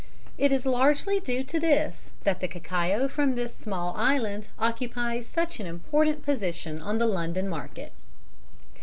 It is largely due to this that the cacao from this small island occupies such an important position on the London market.